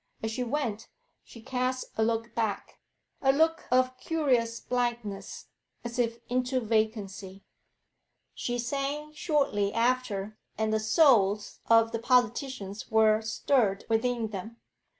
As she went, she cast a look back, a look of curious blankness, as if into vacancy. She sang shortly after, and the souls of the politicians were stirred within them.